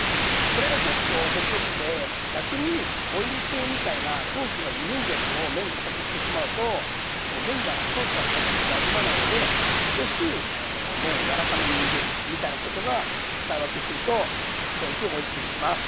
これが結構面白くて逆にオイル系みたいなソースがゆるいやつを麺かたくしてしまうと麺がソースをはじいてなじまないので少し麺をやわらかめにゆでるみたいなことが結構使い分けをするとすごくおいしくできます。